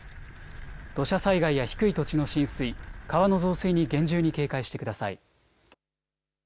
土砂災害や低い土地の浸水、川の増水に厳重に警戒してください。